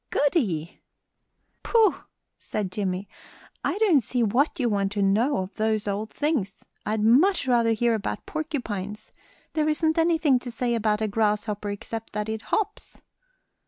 "Goody!" "Pooh!" said Jimmie, "I don't see what you want to know of those old things. I'd much rather hear about porcupines. There isn't anything to say about a grasshopper except that it hops."